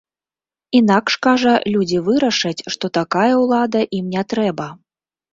Інакш, кажа, людзі вырашаць, што такая ўлада ім не трэба.